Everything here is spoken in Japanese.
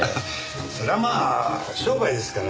それはまあ商売ですからね